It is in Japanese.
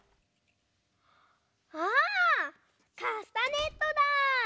あカスタネットだ！